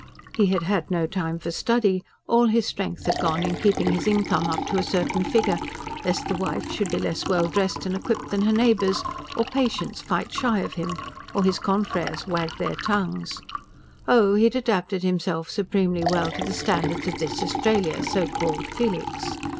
He had had no time for study; all his strength had gone in keeping his income up to a certain figure; lest the wife should be less well dressed and equipped than her neighbours; or patients fight shy of him; or his confreres wag their tongues. Oh! he had adapted himself supremely well to the standards of this Australia, so called Felix.